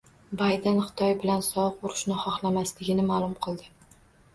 Bayden Xitoy bilan sovuq urushni xohlamasligini ma’lum qildi